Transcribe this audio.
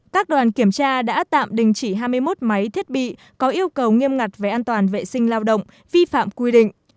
các đoàn kiểm tra đã tạm đình chỉ hai mươi một máy thiết bị có yêu cầu nghiêm ngặt về an toàn vệ sinh lao động vi phạm quy định